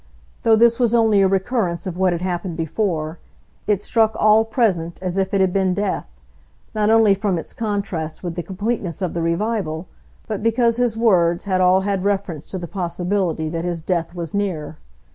Though this was only a recurrence of what had happened before, it struck all present as if it had been death, not only from its contrast with the completeness of the revival, but because his words had all had reference to the possibility that his death was near.